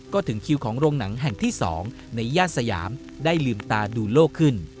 ก็ถึงคิวของโรงหนังแห่งที่๒ในย่านสยามได้ลืมตาดูโลกขึ้น